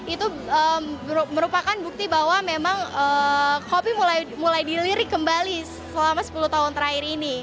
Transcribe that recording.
itu merupakan bukti bahwa memang kopi mulai dilirik kembali selama sepuluh tahun terakhir ini